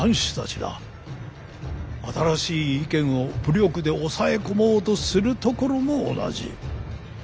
新しい意見を武力で抑え込もうとするところも同じ。